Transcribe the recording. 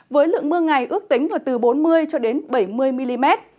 với lượng mưa ngày ước tính từ bốn mươi bảy mươi mm